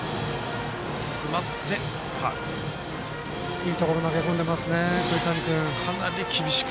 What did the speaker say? いいところに投げ込んでいますね、栗谷君。